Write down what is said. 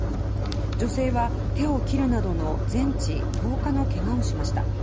女性は手を切るなどの全治１０日のけがをしました。